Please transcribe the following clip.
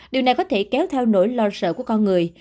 điều này có thể kéo theo nỗi lo sợ của con người